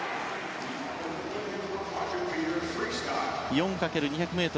４×２００ｍ